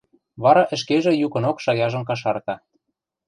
вара ӹшкежӹ юкынок шаяжым кашарта: